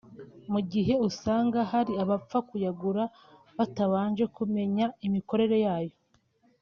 mu gihe usanga hari abapfa kuyagura batabanje kumenya imikorere yayo